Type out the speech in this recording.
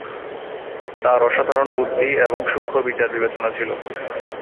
তাঁর অসাধারণ বুদ্ধি এবং সূক্ষ্ম বিচার বিবেচনা ছিল।